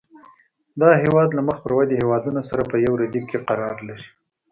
دا هېواد له مخ پر ودې هېوادونو سره په یو ردیف کې قرار لري.